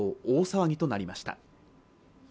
大騒ぎとなりました。